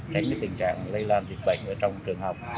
tránh tình trạng lây lan dịch bệnh ở trong trường học